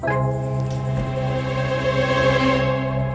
keluarga itu yang utama